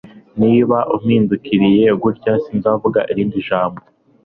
Niba umpindukiriye gutya sinzavuga irindi jambo